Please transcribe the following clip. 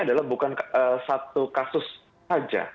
jadi itu bukan satu kasus saja